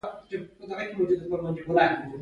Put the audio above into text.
بېنډۍ د میني پخلي نتیجه ده